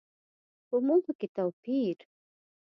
په موخو کې توپير.